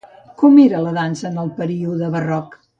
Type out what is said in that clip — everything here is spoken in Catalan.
Com era la dansa en el període barroc?